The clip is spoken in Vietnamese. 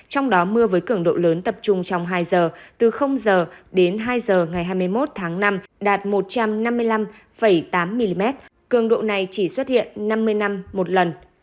trong đó mưa với cường độ lớn tập trung trong hai giờ từ h đến hai h ngày hai mươi một tháng năm đạt một trăm năm mươi năm tám mm cường độ này chỉ xuất hiện năm mươi năm một lần